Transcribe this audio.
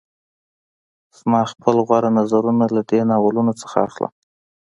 زه خپل غوره نظرونه له دې ناولونو څخه اخلم